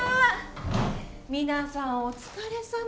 皆さんお疲れさま。